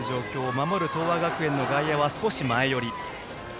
守る東亜学園の外野は少し前寄り。